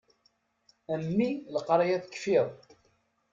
A mmi leqraya tekfiḍ.